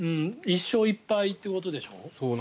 １勝１敗ということでしょう。